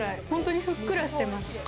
本当にふっくらしてます。